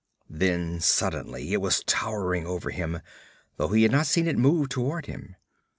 Then suddenly it was towering over him, though he had not seen it move toward him.